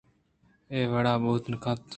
اے وڑابوت کنت